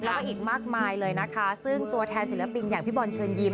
แล้วก็อีกมากมายเลยนะคะซึ่งตัวแทนศิลปินอย่างพี่บอลเชิญยิ้